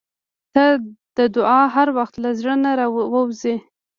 • ته د دعا هر وخت له زړه نه راووځې.